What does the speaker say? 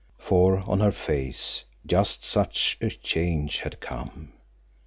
For on her face just such a change had come.